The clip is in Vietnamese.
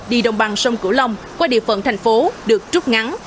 đi đồng bằng sông cửu long qua địa phận thành phố được trút ngắn